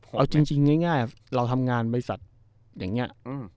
เอาจริงง่ายเราทำงานบริษัทอย่างนี้